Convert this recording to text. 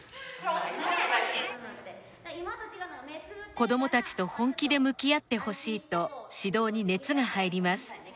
子どもたちと本気で向き合ってほしいと指導に熱が入ります。